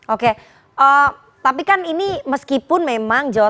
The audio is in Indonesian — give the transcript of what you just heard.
oke tapi kan ini meskipun memang jawa timur